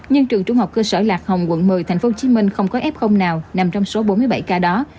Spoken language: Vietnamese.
nhưng trường trung học cơ sở lạc hồng quận một mươi tp hcm không có f nào nằm trong số bốn mươi bảy ca đó